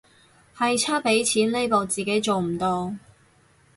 係差畀錢呢步自己做唔到